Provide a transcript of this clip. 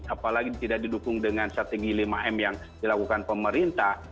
apalagi tidak didukung dengan strategi lima m yang dilakukan pemerintah